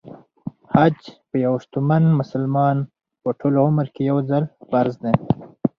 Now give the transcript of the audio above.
حج په یو شتمن مسلمان په ټول عمر کې يو ځل فرض دی .